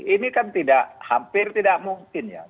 ini kan tidak hampir tidak mungkin ya